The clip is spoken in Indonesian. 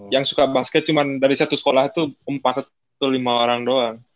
yang suka basket cuma dari satu sekolah itu empat atau lima orang doang